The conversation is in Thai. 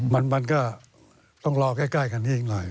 มันก็ต้องรอใกล้กันอีกหน่อย